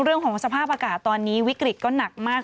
เรื่องของสภาพอากาศตอนนี้วิกฤตก็หนักมาก